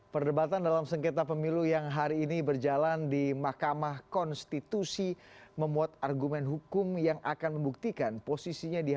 perdebatan dalam sengketa pemilu yang hari ini berjalan di mahkamah konstitusi